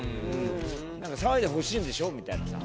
騒いでほしいんでしょ？みたいなさ。